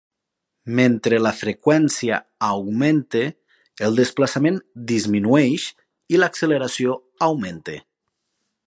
Mentre la freqüència augmenta, el desplaçament disminueix, i l'acceleració augmenta.